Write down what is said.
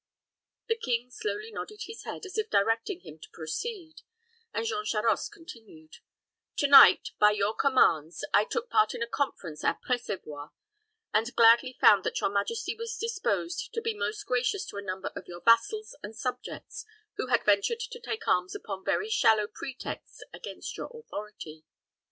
The king slowly nodded his head, as if directing him to proceed; and Jean Charost continued, "To night, by your commands, I took part in a conference at Pressavoix, and gladly found that your majesty was disposed to be most gracious to a number of your vassals and subjects who had ventured to take arms upon very shallow pretexts against your authority.